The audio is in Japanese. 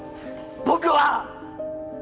僕は！